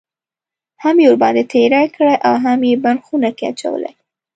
هم یې ورباندې تېری کړی اوهم یې بند خونه کې اچولی.